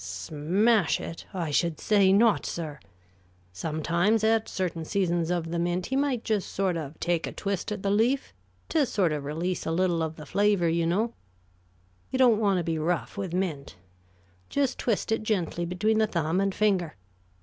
"Smash it? I should say not, sir! Sometimes, at certain seasons of the mint, he might just sort of take a twist at the leaf, to sort of release a little of the flavor, you know. You don't want to be rough with mint. Just twist it gently between the thumb and finger.